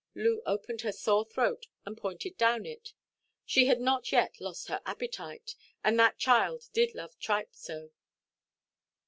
Loo opened her sore throat, and pointed down it. She had not yet lost her appetite; and that child did love tripe so.